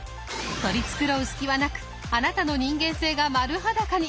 取り繕う隙はなくあなたの人間性が丸裸に！